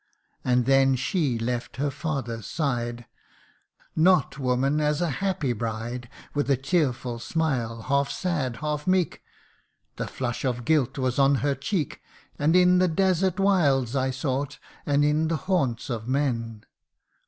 And then she left her father's side, Not, woman ! as a happy bride, With a tearful smile, half sad, half meek ; The flush of guilt was on her cheek : And in the desert wilds I sought And in the haunts of men.